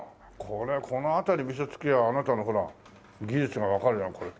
これこの辺り見せつければあなたのほら技術がわかるじゃんこれ。